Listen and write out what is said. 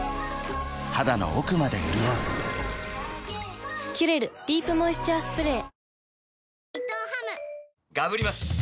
肌の奥まで潤う「キュレルディープモイスチャースプレー」